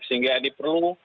sehingga ini perlu